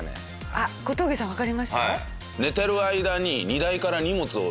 あっ小峠さんわかりました？